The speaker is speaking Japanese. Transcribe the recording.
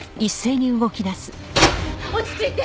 落ち着いて！